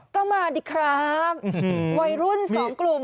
ก็มาดีครับวัยรุ่นสองกลุ่ม